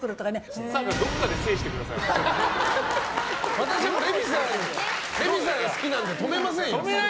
私はもうレミさん好きなので止めませんよ。